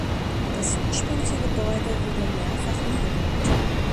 Das ursprüngliche Gebäude wurde mehrfach umgebaut.